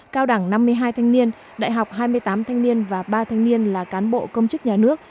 cao đẳng năm mươi hai thanh niên đại học hai mươi tám thanh niên và ba thanh niên là cán bộ công chức nhà nước